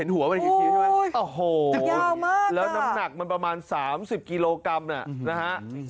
หัวเข้าน้ำหนักประมาณ๓๐กิโลกรัมนะฮะ